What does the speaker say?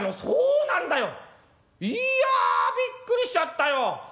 「そうなんだよ！いやびっくりしちゃったよ。